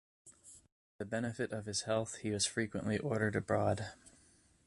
For the benefit of his health he was frequently ordered abroad.